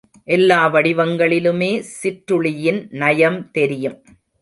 எல்லா வடிவங்களிலுமே சிற்றுளியின் நயம் தெரியும்.